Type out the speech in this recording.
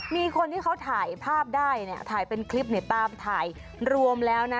มีคนที่เขาถ่ายภาพได้เนี่ยถ่ายเป็นคลิปเนี่ยตามถ่ายรวมแล้วนะ